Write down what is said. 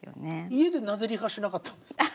家でなぜリハしなかったんですか？